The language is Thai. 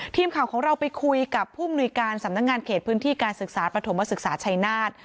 ทีมข่าวของเราไปคุยกับผู้มนุยการสำนักงานเขตพื้นที่การศึกษาปฐมศึกษาชัยนาฏ